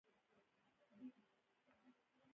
عبدالهادي هم هغه ته ډېر احترام درلود.